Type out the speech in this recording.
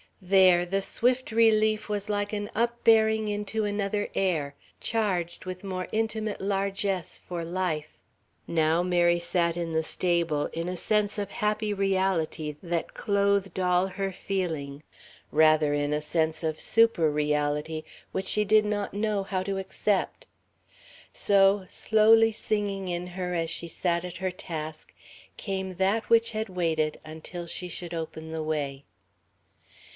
There the swift relief was like an upbearing into another air, charged with more intimate largess for life. Now Mary sat in the stable in a sense of happy reality that clothed all her feeling rather, in a sense of superreality, which she did not know how to accept.... So, slowly singing in her as she sat at her task, came that which had waited until she should open the way....